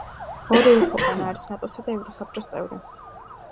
ორივე ქვეყანა არის ნატოსა და ევროსაბჭოს წევრი.